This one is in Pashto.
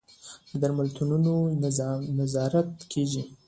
د درملتونونو نظارت کیږي؟